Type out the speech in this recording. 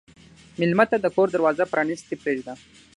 مېلمه ته د کور دروازه پرانستې پرېږده.